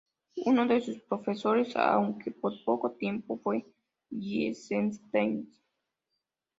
Uno de sus profesores, aunque por poco tiempo, fue Eisenstein.